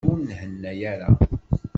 Ur nhenna ara.